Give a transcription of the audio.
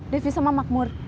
devi sama makmur